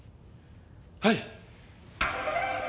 はい。